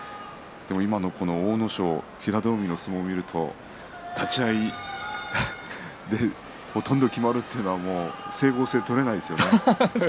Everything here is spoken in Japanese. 今の阿武咲、平戸海の相撲を見ると立ち合いで、ほとんど決まるというのは整合性が取れないですよね。